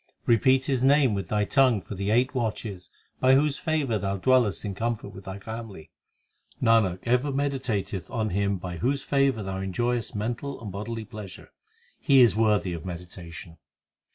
Repeat His name with thy tongue for the eight watches By whose favour thou dwellest in comfort with thy family. Nanak ever meditateth on Him By whose favour thou enjoyest mental and bodily plea sure ; He is worthy of meditation.